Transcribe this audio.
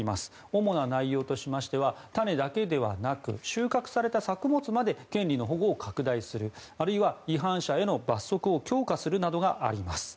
主な内容としましては種だけではなく収穫された作物まで権利の保護を拡大するあるいは違反者への罰則を強化するなどがあります。